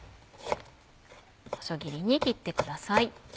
細切りに切ってください。